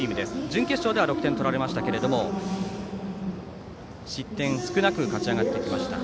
準決勝では６点取られましたが失点少なく勝ち上がってきました。